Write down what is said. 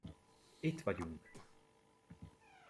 Itt vagyunk!